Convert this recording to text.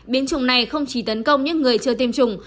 biến chủng này không chỉ tấn công những người chưa tiêm chủng